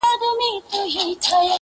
هغه ډېوه د نيمو شپو ده تور لوگى نــه دی.